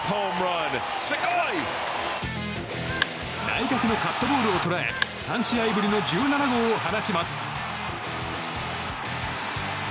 内角のカットボールを捉え３試合ぶりの１７号を放ちます。